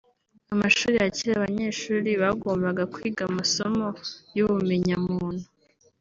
Amashuri yakira abanyeshuri bagombaga kwiga amasomo y’ubumenyamuntu